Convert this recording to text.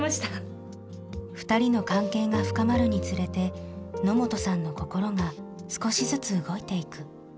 二人の関係が深まるにつれて野本さんの心が少しずつ動いていく。